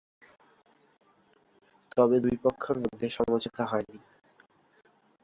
তবে, দুই পক্ষের মধ্যে সমঝোতা হয়নি।